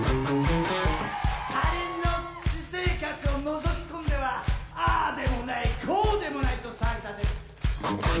他人の私生活をのぞき込んではああでもないこうでもないと騒ぎ立てる。